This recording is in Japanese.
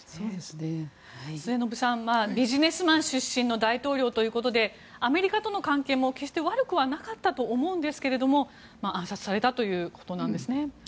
末延さんビジネスマン出身の大統領ということでアメリカとの関係も決して悪くはなかったと思うんですけれども暗殺されたということですね。